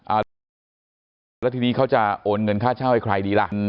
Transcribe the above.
หรือว่าแล้วทีนี้เขาจะโอนเงินค่าเช่าให้ใครดีล่ะ